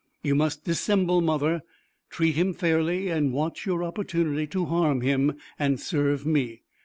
"You must dissemble, mother. Treat him fairly, and watch your opportunity to harm him and serve me.